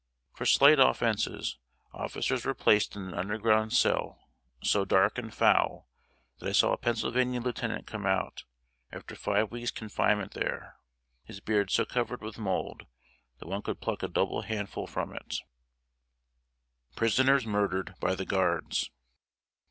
For slight offenses, officers were placed in an underground cell so dark and foul, that I saw a Pennsylvania lieutenant come out, after five weeks' confinement there, his beard so covered with mold that one could pluck a double handful from it! [Sidenote: PRISONERS MURDERED BY THE GUARDS.